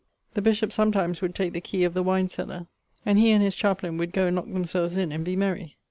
The bishop sometimes would take the key of the wine cellar, and he and his chaplaine would goe and lock themselves in and be merry.